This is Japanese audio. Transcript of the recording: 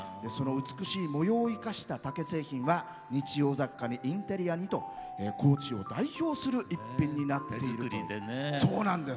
その美しい模様を生かした竹製品は日用雑貨にインテリアにと高知を代表する逸品になっていると。